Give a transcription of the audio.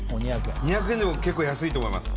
２００円でも結構安いと思います